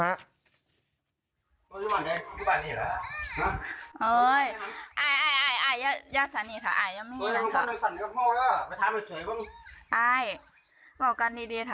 ไอ้นกว้าล่ะ